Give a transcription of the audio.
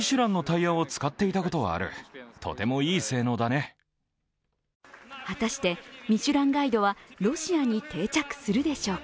一方、モスクワ市民は果たして「ミシュランガイド」はロシアに定着するでしょうか。